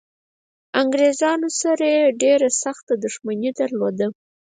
د انګریزانو سره یې ډېره سخته دښمني درلوده.